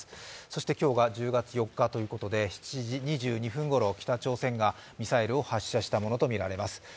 そして今日が１０月４日ということで７時２２分ごろ、北朝鮮がミサイルを発射したものとみられます。